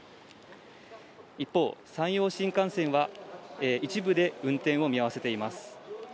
一方、山陽新幹線は一部で運転を見合わせています。